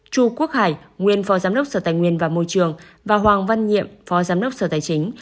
chu quốc hải nguyên phó giám đốc sở tài nguyên và môi trường và hoàng văn nhiệm phó giám đốc sở tài chính